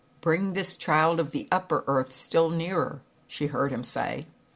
, A Bring this Child of Upper Earth still nearer," she heard him say.